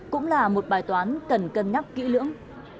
cũng là một bài toán cần cân nhắc kỹ lưỡng